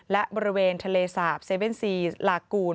และบริเวณทะเลสาบเซเว่นซีลากูล